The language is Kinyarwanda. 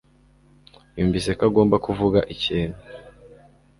yumvise ko agomba kuvuga ikintu.